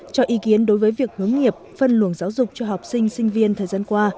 cho ý kiến đối với việc hướng nghiệp phân luồng giáo dục cho học sinh sinh viên thời gian qua